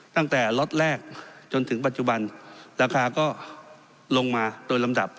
ตั้งแต่ล็อตแรกจนถึงปัจจุบันราคาก็ลงมาโดยลำดับ